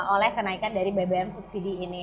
oleh kenaikan dari bbm subsidi ini